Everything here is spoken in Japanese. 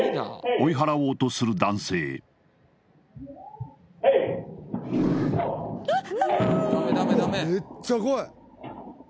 追い払おうとする男性Ｈｅｙ！